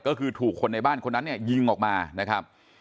ก็คือถูกคนในบ้านคนนั้นเนี่ยยิงออกมานะครับ